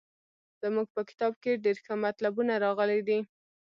زموږ په کتاب کې ډېر ښه مطلبونه راغلي دي.